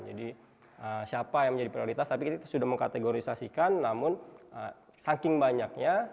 jadi siapa yang menjadi prioritas tapi kita sudah mengkategorisasikan namun saking banyaknya